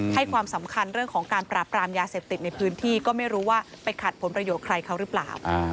ความสำคัญเรื่องของการปราบปรามยาเสพติดในพื้นที่ก็ไม่รู้ว่าไปขัดผลประโยชน์ใครเขาหรือเปล่า